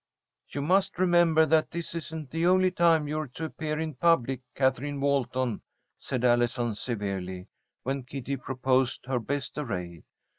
"You must remember that this isn't the only time you're to appear in public, Katherine Walton," said Allison, severely, when Kitty proposed her best array.